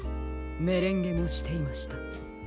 メレンゲもしていました。